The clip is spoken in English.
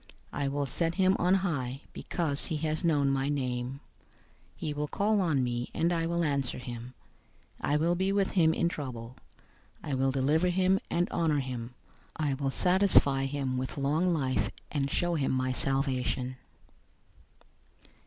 I will set him on high, because he has known my name. 091:015 He will call on me, and I will answer him. I will be with him in trouble. I will deliver him, and honor him. 091:016 I will satisfy him with long life, and show him my salvation."